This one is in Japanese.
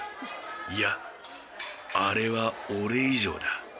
いやあれは俺以上だ。